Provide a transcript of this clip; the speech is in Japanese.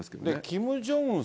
キム・ジョンウン